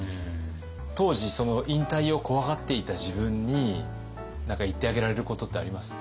当時引退を怖がっていた自分に何か言ってあげられることってあります？